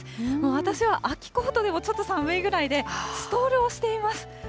私は秋コートでもちょっと寒いぐらいで、ストールをしています。